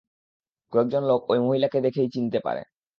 কয়েকজন লোক ঐ মহিলাকে দেখেই চিনতে পারে।